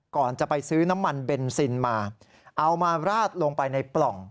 ก่อนจะไปซื้อน้ำมันเบนซินมาเอามาราดลงไปในปล่อง